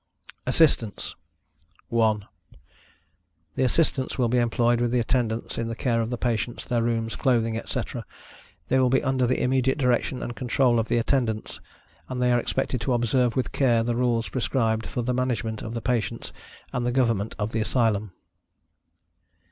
ASSISTANTS. 1. The Assistants will be employed with the Attendants in the care of the patients, their rooms, clothing, etc.; they will be under the immediate direction and control of the Attendants; and they are expected to observe with care the rules prescribed for the management of the patients, and the government of the Asylum.